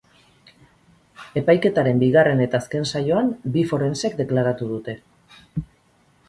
Epaiketaren bigarren eta azken saioan bi forentsek deklaratu dute.